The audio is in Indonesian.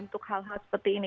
untuk hal hal seperti ini